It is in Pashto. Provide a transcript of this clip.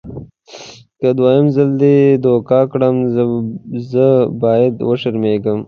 که دوهم ځل دې دوکه کړم زه باید وشرمېږم.